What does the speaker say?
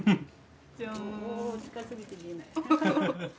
おお近すぎて見えない。